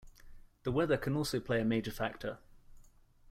The weather can also play a major factor.